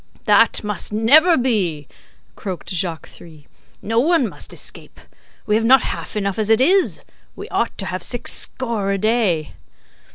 "That must never be," croaked Jacques Three; "no one must escape. We have not half enough as it is. We ought to have six score a day."